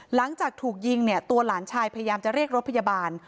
หลังจากถูกยิงเนี่ยตัวหลานชายพยายามจะเรียกรถพยาบาล